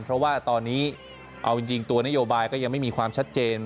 เพราะว่าตอนนี้เอาจริงตัวนโยบายก็ยังไม่มีความชัดเจน